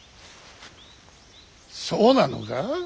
そうなのか？